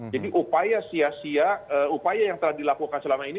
jadi upaya sia sia upaya yang telah dilakukan selama ini